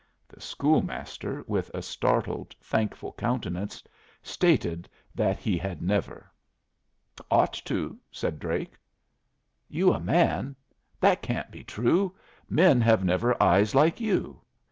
The school master, with a startled, thankful countenance, stated that he had never. "Ought to," said Drake. "You a man? that can't be true! Men have never eyes like you."